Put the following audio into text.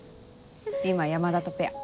今山田とペア。